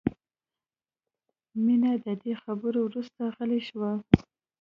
مینه د دې خبرو وروسته غلې شوه